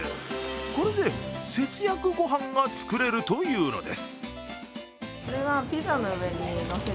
これで節約ご飯が作れるというのです。